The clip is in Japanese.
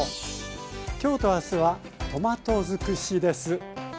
今日と明日はトマト尽くしです。